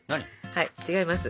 はい違います。